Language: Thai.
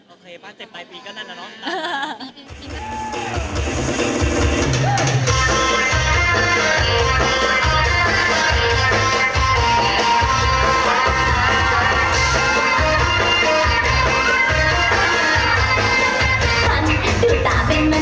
โอเคป่ะเจ็บใบปีก็นั่นน่ะเนอะ